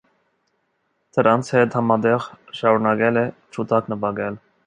Դրանց հետ համատեղ շարունակել է ջութակ նվագել։